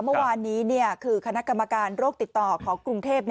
เมื่อวานนี้คือคณะกรรมการโรคติดต่อของกรุงเทพ